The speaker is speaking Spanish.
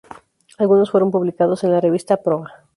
Algunos fueron publicados en la revista "Proa".